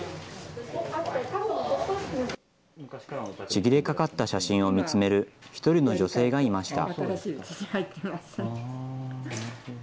ちぎれかかった写真を見つめる一人の女性がいました。